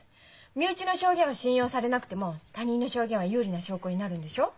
身内の証言は信用されなくても他人の証言は有利な証拠になるんでしょう？